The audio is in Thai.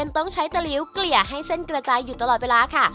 ต้องใช้ตะลิ้วเกลี่ยให้เส้นกระจายอยู่ตลอดเวลาค่ะ